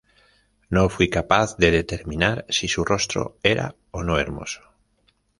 No fui capaz de determinar si su rostro era o no hermoso.